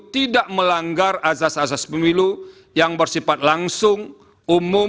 tidak melanggar azas azas pemilu yang bersifat langsung umum